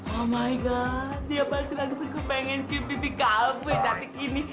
oh my god dia pasti lagi pengen cium pipi kamu ya datik ini